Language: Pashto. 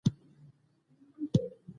زه د خبرونو اورېدل خوښوم.